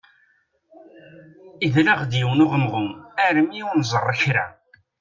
Idel-aɣ-d yiwen uɣemɣum armi ur nẓerr kra.